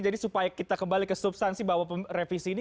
jadi supaya kita kembali ke substansi bahwa revisi ini